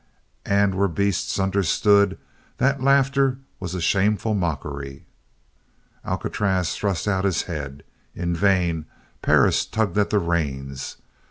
And were beasts understood, that laughter was a shameful mockery! Alcatraz thrust out his head. In vain Perris tugged at the reins.